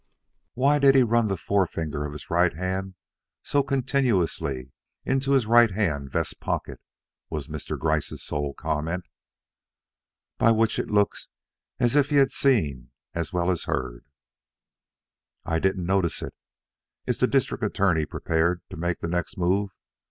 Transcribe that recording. "Why did he run the forefinger of his right hand so continuously into his right hand vest pocket?" was Mr. Gryce's sole comment. By which it looks as if he had seen as well as heard. "I didn't notice it. Is the District Attorney prepared to make the next move?